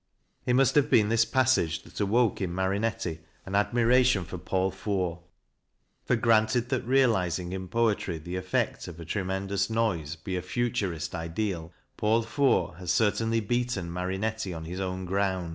It must have been this passage that awoke in Marinetti an admiration for Paul Fort, for granted that realizing in poetry the effect of a tremendous noise be a Futurist ideal, Paul Fort has certainly beaten Marinetti on his own ground.